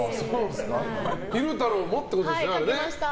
昼太郎もってことですね。